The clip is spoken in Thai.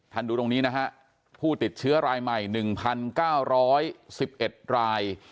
ดูตรงนี้นะฮะผู้ติดเชื้อรายใหม่๑๙๑๑ราย